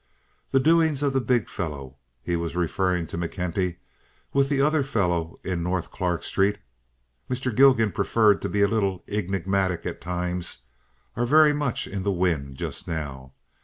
The doings of the big fellow"—he was referring to McKenty—"with the other fellow in North Clark Street"—Mr. Gilgan preferred to be a little enigmatic at times—"are very much in the wind just now.